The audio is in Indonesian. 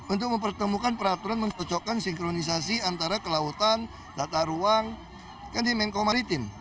untuk mempertemukan peraturan mencocokkan sinkronisasi antara kelautan tata ruang kan di menko maritim